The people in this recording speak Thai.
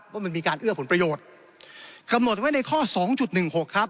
ว่ามันมีการเอื้อผลประโยชน์กำหนดไว้ในข้อ๒๑๖ครับ